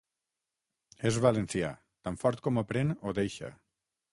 És valencià: tan fort com ho pren, ho deixa.